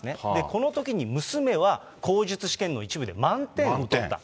このときに娘は口述試験の一部で満点を取った。